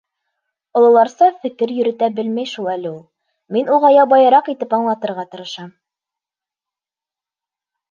Ололарса фекер йөрөтә белмәй шул әле ул. Мин уға ябайыраҡ итеп аңлатырға тырышам.